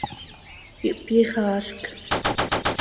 Ihpyixaazc.